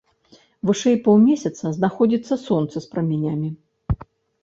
Вышэй паўмесяца знаходзіцца сонца з прамянямі.